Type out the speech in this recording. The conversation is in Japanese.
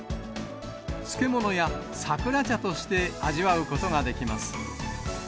漬物や桜茶として味わうことができます。